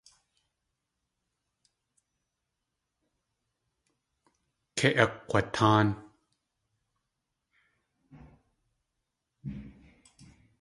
Kei akg̲watáan.